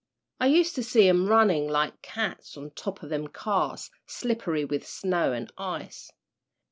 I used to see 'em runnin' like cats on top o' them cars, slippery with snow an' ice.